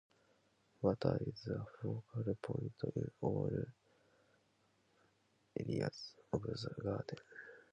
Water is a focal point in all areas of the garden.